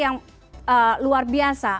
yang luar biasa